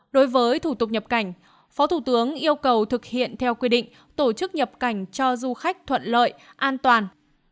đối với thủ tục nhập cảnh phó thủ tướng yêu cầu thực hiện theo quy định tổ chức nhập cảnh cho du khách thuận lợi an toàn